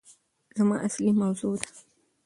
زما اصلي موضوع ده